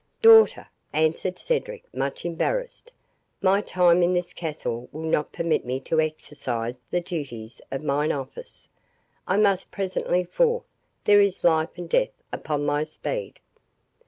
"Daughter," answered Cedric, much embarrassed, "my time in this castle will not permit me to exercise the duties of mine office—I must presently forth—there is life and death upon my speed."